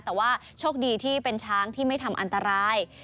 แต่ว่าโชคดีที่เป็นช้างที่ไม่ทำอันตราย